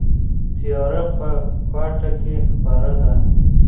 تیاره په کوټه کې خپره ده.